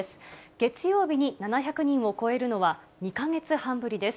月曜日に７００人を超えるのは２か月半ぶりです。